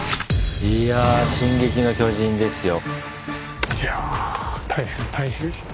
いや「進撃の巨人」ですよ。